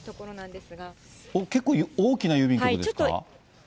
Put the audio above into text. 結構大きな郵便局ですか？